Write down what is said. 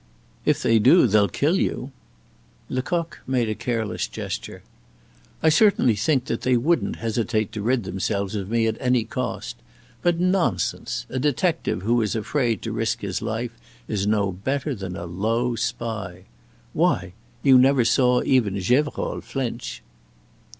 "If they do, they'll kill you." Lecoq made a careless gesture. "I certainly think that they wouldn't hesitate to rid themselves of me at any cost. But, nonsense! A detective who is afraid to risk his life is no better than a low spy. Why! you never saw even Gevrol flinch."